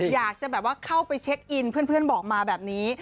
อยากจะแบบว่าเข้าไปเช็คอินเพื่อนบอกมาแบบนี้